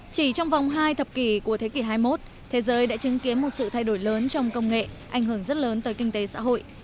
chỉ trong vòng hai thập kỷ của thế kỷ hai mươi một thế giới đã chứng kiến một sự thay đổi lớn trong công nghệ ảnh hưởng rất lớn tới kinh tế xã hội